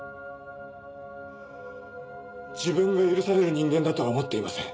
自分が許される人間だとは思っていません。